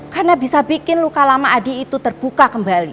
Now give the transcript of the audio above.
karena bisa bikin luka lama adi itu terbuka kembali